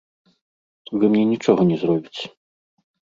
Вы мне нічога не зробіце.